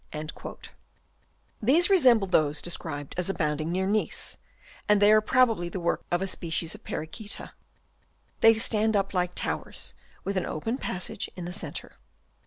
These closely resemble those described as abounding near Nice ; and they are probably the work of a species of Perichaeta. They stand up like towers, with an open passage in the centre.